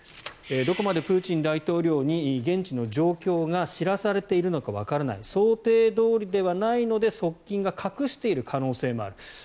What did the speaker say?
どこまでプーチン大統領に現地の状況が知らされているのかわからない想定どおりではないので側近が隠している可能性もある。